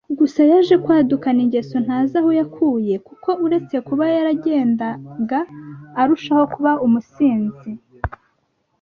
Gusa yaje kwadukana ingeso ntazi aho yakuye kuko uretse kuba yaragendaga arushaho kuba umusinzi